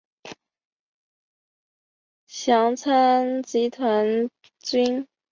详参集团军。